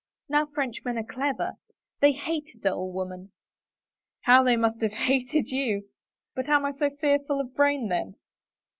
Now Frenchmen are clever — they hate a dull woman." " How they must have hated you ! But am I so fear ful of brain, then?"